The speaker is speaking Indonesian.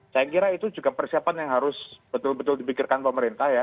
saya kira itu juga persiapan yang harus betul betul dipikirkan pemerintah ya